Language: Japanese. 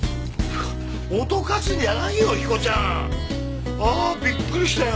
脅かすんじゃないよ彦ちゃん！あびっくりしたよ